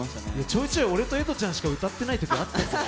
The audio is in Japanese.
ちょいちょい俺とえとちゃんしか歌ってない曲があったよ。